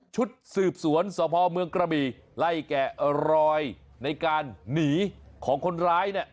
ชุดสืบสวนสพเมืองกระบี่ไล่แกะรอยในการหนีของคนร้ายเนี่ย